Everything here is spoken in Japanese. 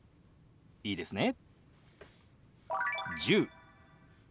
いいですね？